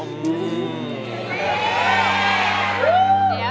แม่